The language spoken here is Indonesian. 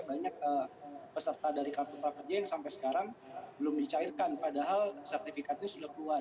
banyak peserta dari kartu prakerja yang sampai sekarang belum dicairkan padahal sertifikatnya sudah keluar